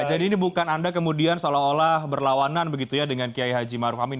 jadi ini bukan anda kemudian seolah olah berlawanan begitu ya dengan kiai haji maruf amin